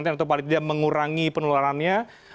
atau paling tidak mengurangi penularannya